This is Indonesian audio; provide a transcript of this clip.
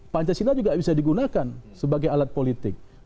pancasila juga bisa digunakan sebagai alat politik